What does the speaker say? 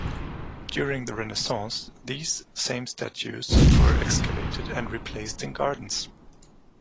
During the Renaissance these same statues were excavated and re-placed in gardens.